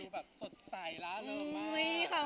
มันดูสดใสแล้วเริ่มมาก